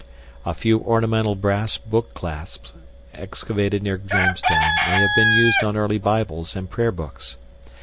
A few ornamental brass book clasps excavated near Jamestown may have been used on early Bibles and Prayer Books.